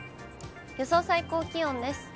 予想最高気温です。